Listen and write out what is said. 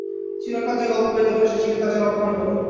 চিরকাল যে গল্প করিতে পারে, শশীকে তা যেন অপমান করে।